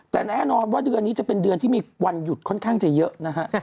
แต่แน่นอนว่าเดือนนี้จะเป็นเดือนที่มีวันหยุดค่อนข้างจะเยอะนะฮะ